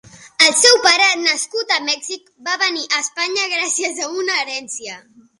El seu pare, nascut a Mèxic, va venir a Espanya gràcies a una herència.